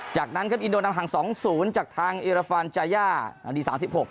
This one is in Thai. จากนั้นอินโดนำหัง๒ศูนย์จากทางเอราฟานจาย่านาที๓๖